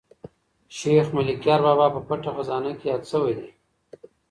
شیخ ملکیار بابا په پټه خزانه کې یاد شوی دی.